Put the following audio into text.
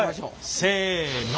せの。